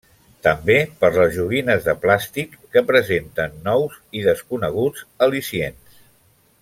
També per les joguines de plàstic que presenten nous i desconeguts al·licients.